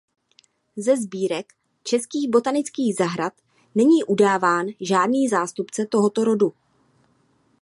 Ze sbírek českých botanických zahrad není udáván žádný zástupce tohoto rodu.